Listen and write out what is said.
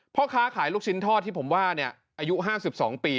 พ่อค้าขายลูกชิ้นทอดที่ผมว่าเนี่ยอายุห้าสิบสองปี